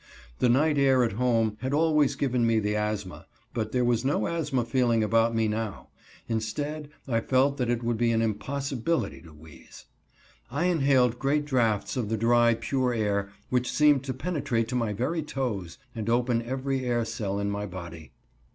The night air at home had always given me the asthma, but there was no asthma feeling about me now; instead I felt that it would be an impossibility to wheeze. I inhaled great draughts of the dry, pure air, which seemed to penetrate to my very toes, and open every air cell in my body.